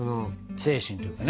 精神というかね。